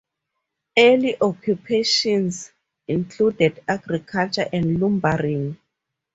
Early occupations included agriculture and lumbering.